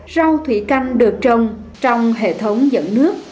rau thủy canh được trồng trong hệ thống dẫn nước